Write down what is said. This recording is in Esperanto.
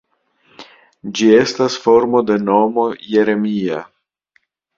Ĝi estas formo de nomo Jeremia.